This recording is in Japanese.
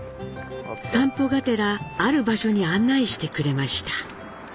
散歩がてらある場所に案内してくれました。